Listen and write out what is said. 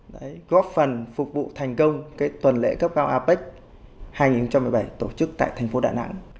đấy góp phần phục vụ thành công tuần lễ cấp cao apec hai nghìn một mươi bảy tổ chức tại thành phố đà nẵng